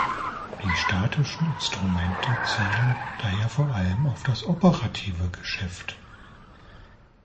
Die statischen Instrumente zielen daher vor allem auf das operative Geschäft.